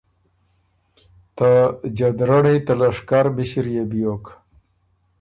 ته جدرنړی ته لشکر مِݭِر يې بیوک۔